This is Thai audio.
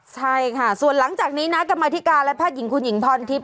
ใช่ค่ะส่วนหลังจากนี้นะกรรมธิการและแพทย์หญิงคุณหญิงพรทิพย